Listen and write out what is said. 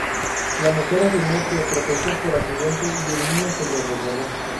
La mujer afirmó que tropezó por accidente y El Niño se le resbaló.